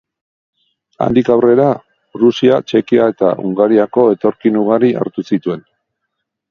Handik aurrera, Prusia, Txekia eta Hungariako etorkin ugari hartu zituen.